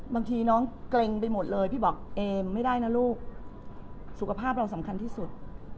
บางทีน้องเกร็งไปหมดเลยพี่บอกเอมไม่ได้นะลูกสุขภาพเราสำคัญที่สุด